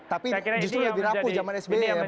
tapi justru lebih rapuh zaman sby ya bang goni ya